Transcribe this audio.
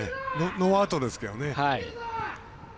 ノーアウトですけどね。